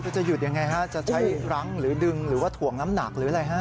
จะหยุดอย่างไรห้ะจะใช้รังหรือดึงหรือถ่วงน้ำหนักหรืออะไร